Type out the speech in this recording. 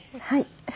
はい。